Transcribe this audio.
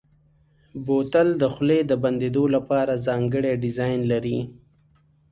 بوتل د خولې د بندېدو لپاره ځانګړی ډیزاین لري.